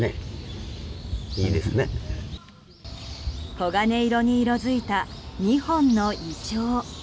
黄金色に色づいた２本のイチョウ。